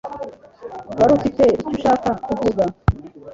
Wari ufite icyo ushaka kuvuga?